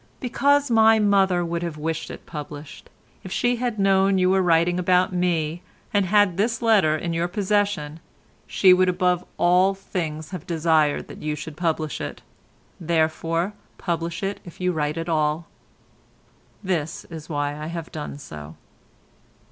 "Because my mother would have wished it published; if she had known you were writing about me and had this letter in your possession, she would above all things have desired that you should publish it. Therefore publish it if you write at all." This is why I have done so.